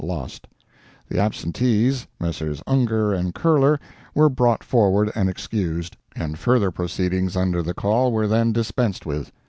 Lost. The absentees, Messrs. Ungar and Curler, were brought forward and excused, and further proceedings under the call were then dispensed with.